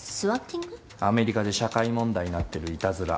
アメリカで社会問題になってるいたずら。